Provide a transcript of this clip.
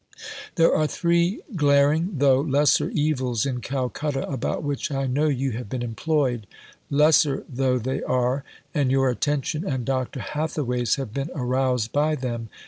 There are three glaring (tho' lesser) evils in Calcutta about which I know you have been employed lesser tho' they are and your attention and Dr. Hathaway's have been aroused by them.